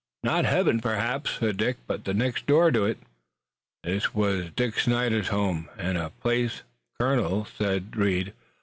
"Not heaven, perhaps," said Dick, "but the next door to it." "This wuz Dick Snyder's home an' place, colonel," said Reed.